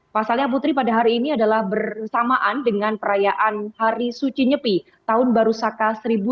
pasalnya putri pada hari ini adalah bersamaan dengan perayaan hari suci nyepi tahun baru saka seribu sembilan ratus empat puluh lima